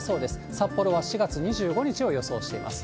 札幌は４月からを予想しています。